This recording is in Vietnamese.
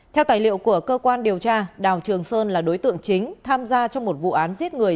theo tài liệu của cơ quan điều tra đào trường sơn là đối tượng chính tham gia trong một vụ án giết người